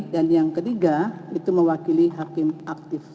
dan yang ketiga itu mewakili hakim aktif